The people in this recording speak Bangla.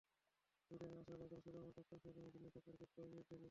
সুইডেনে আসার গল্পটা শুরু আমার প্রাক্তন সহকর্মী জিন্নাত আপুর গুডবাই মেইল থেকে।